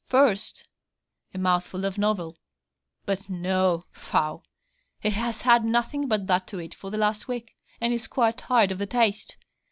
First a mouthful of novel; but no, faugh! he has had nothing but that to eat for the last week, and is quite tired of the taste.